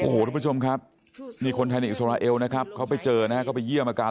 โอ้โหทุกผู้ชมครับนี่คนไทยในอิสราเอลนะครับเขาไปเจอนะฮะก็ไปเยี่ยมอาการ